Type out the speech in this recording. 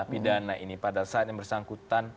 pidana ini pada saat yang bersangkutan